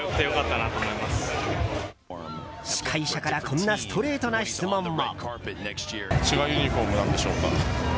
司会者からこんなストレートな質問も。